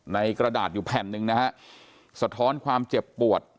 กระดาษอยู่แผ่นหนึ่งนะฮะสะท้อนความเจ็บปวด